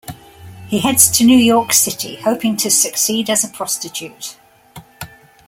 He heads to New York City, hoping to succeed as a prostitute.